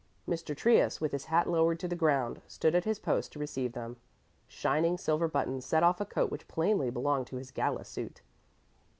Mr. Trius, with his hat lowered to the ground, stood at his post to receive them. Shining silver buttons set off a coat which plainly belonged to his gala suit.